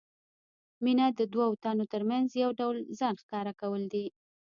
مینه د دوو تنو ترمنځ یو ډول ځان ښکاره کول دي.